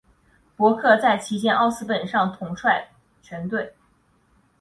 伯克在旗舰奥斯本上统帅全队。